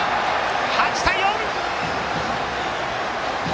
８対４！